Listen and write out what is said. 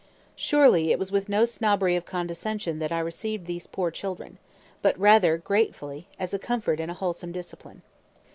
Surely it was with no snobbery of condescension that I received these poor children, but rather gratefully, as a comfort and a wholesome discipline.